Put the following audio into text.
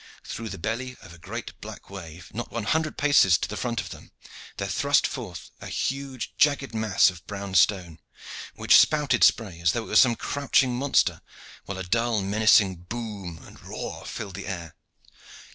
Through the belly of a great black wave, not one hundred paces to the front of them, there thrust forth a huge jagged mass of brown stone, which spouted spray as though it were some crouching monster, while a dull menacing boom and roar filled the air.